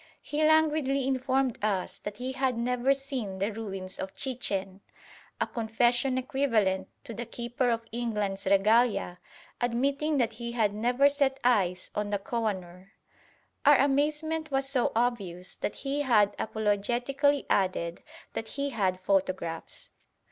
He languidly informed us that he had never seen the ruins of Chichen: a confession equivalent to the Keeper of England's Regalia admitting that he had never set eyes on the Koh i noor. Our amazement was so obvious that he apologetically added that he had photographs.